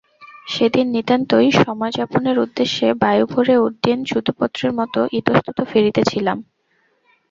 সেদিন নিতান্তই সময়যাপনের উদ্দেশে বায়ুভরে উড্ডীন চ্যুতপত্রের মতো ইতস্তত ফিরিতেছিলাম।